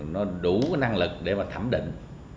nó đủ năng lực để thẩm định